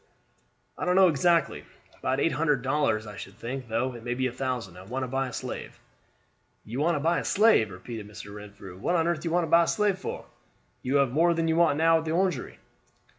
"I don't know exactly. About eight hundred dollars, I should think; though it may be a thousand. I want to buy a slave." "You want to buy a slave!" repeated Mr. Renfrew. "What on earth do you want to buy a slave for? You have more than you want now at the Orangery."